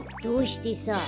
どうしてさ。